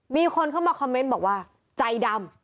มีคนเข้ามาคอมเมนต์บอกว่าใจดำ